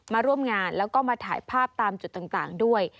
มาร่วมงานแล้วก็มาถ่ายภาพตามจุดต่างด้วย